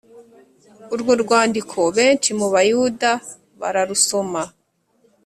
Urwo rwandiko benshi mu Bayuda bararusoma